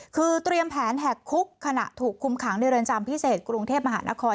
คือเตรียมแผนแหกคุกขณะถูกคุมขังในเรือนจำพิเศษกรุงเทพมหานคร